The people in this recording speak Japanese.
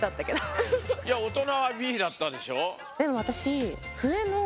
いや大人はＢだったでしょう。